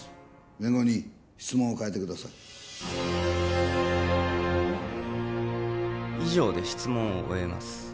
弁護人質問を変えてください以上で質問を終えます